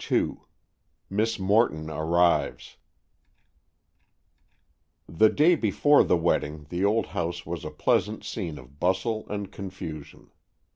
II MISS MORTON ARRIVES The day before the wedding the old house was a pleasant scene of bustle and confusion.